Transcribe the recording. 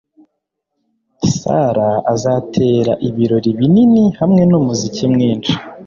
Sarah azatera ibirori binini hamwe numuziki mwinshi